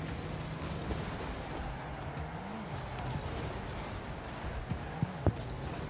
Esto era ideal para recuperarse rápidamente tras las paradas y comprobaciones.